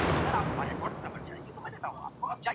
تاسي به کړېدلي واست .